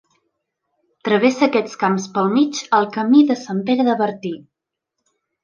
Travessa aquests camps pel mig el Camí de Sant Pere de Bertí.